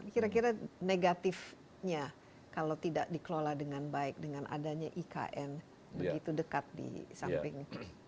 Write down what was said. kira kira negatifnya kalau tidak dikelola dengan baik dengan adanya ikn begitu dekat di samping